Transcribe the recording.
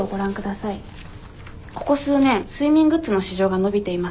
ここ数年睡眠グッズの市場が伸びていまして